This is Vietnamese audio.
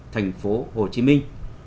thành phố hồ chí minh